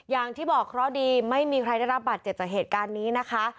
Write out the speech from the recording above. อย่างที่บอกเคราะห์ดีไม่มีใครได้รับบาดเจ็บจากเหตุการณ์นี้นะคะ